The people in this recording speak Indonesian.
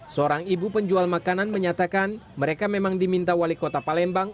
seorang ibu penjual makanan menyatakan mereka memang diminta wali kota palembang